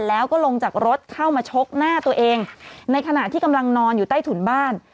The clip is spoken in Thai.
แล้วก็ลงจากรถเข้ามาชกหน้าตัวเองในขณะที่กำลังนอนอยู่ใต้ถุนบ้าน